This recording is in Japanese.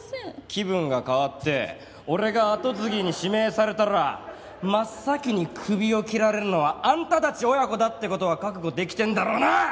気分が変わって俺が跡継ぎに指名されたら真っ先にクビを切られるのはあんたたち親子だって事は覚悟できてんだろうなあ！？